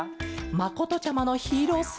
まことちゃまのヒーローすがた。